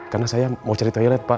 karena saya mau cari toilet pak